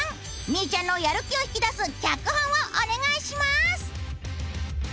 うちゃんのやる気を引き出す脚本をお願いします。